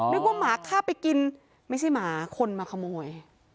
นึกว่าหมาฆ่าไปกินไม่ใช่หมาคนมาขโมย